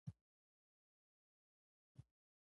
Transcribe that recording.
مزارشریف د افغانستان د ځایي اقتصادونو بنسټ دی.